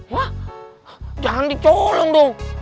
wah jangan dicolong dong